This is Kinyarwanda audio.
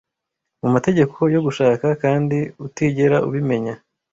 mu mategeko yo gushaka kandi utigera ubimenya